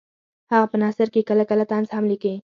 هغه په نثر کې کله کله طنز هم لیکي